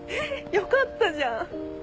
よかったじゃん！